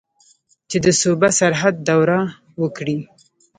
چې د صوبه سرحد دوره وکړي.